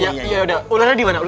ya udah ularnya di mana